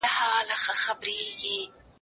موږ چي ول ته به په سفر کي يې